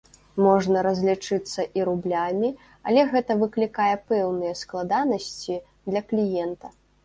Можна разлічыцца і рублямі, але гэта выклікае пэўныя складанасці для кліента.